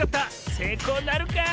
せいこうなるか？